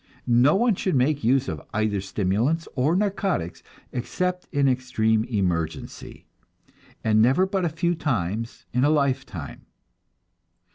No one should make use of either stimulants or narcotics except in extreme emergency, and never but a few times in a lifetime.